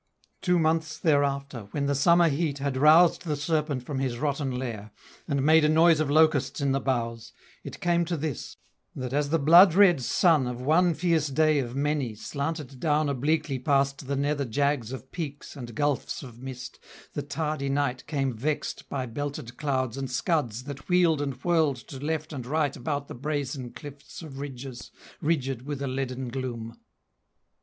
Two months thereafter, when the summer heat Had roused the serpent from his rotten lair, And made a noise of locusts in the boughs, It came to this, that as the blood red sun Of one fierce day of many slanted down Obliquely past the nether jags of peaks And gulfs of mist, the tardy night came vexed By belted clouds and scuds that wheeled and whirled To left and right about the brazen clifts Of ridges, rigid with a leaden gloom.